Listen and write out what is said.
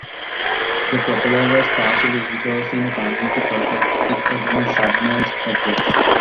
The propeller was partially enclosed in a tunnel to protect it against submerged objects.